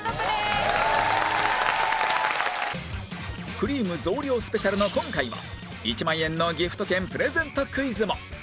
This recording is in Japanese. くりぃむ増量スペシャルの今回は１万円のギフト券プレゼントクイズも